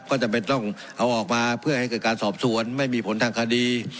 ก็จำเป็นต้องเอาออกมาเพื่อให้เกิดการสอบสวนไม่มีผลทางคดี